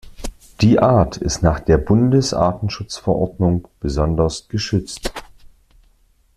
Die Art ist nach der Bundesartenschutzverordnung besonders geschützt.